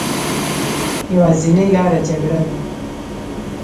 يوازينۍ لاره جګړه ده